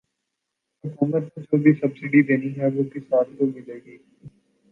حکومت نے جو بھی سبسڈی دینی ہے وہ کسان کو ملے گی